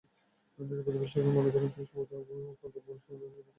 নিরাপত্তা বিশ্লেষকেরা মনে করেন, তিনি সম্ভবত পাক-আফগান সীমান্ত অঞ্চলের কোথাও আছেন।